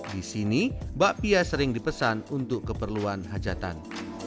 di sini bakpia sering dipesan untuk keperluan hajatan